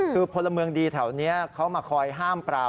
คือพลเมืองดีแถวนี้เขามาคอยห้ามปราบ